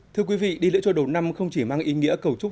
thưa quý vị đi lễ chùa đầu năm không chỉ mang ý nghĩa cầu chúc